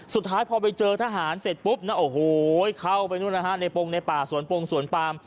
สุดท้ายพอไปเจอทหารเสร็จปุ๊บเข้าไปในปลงในป่าสวนปลงสวนปลาม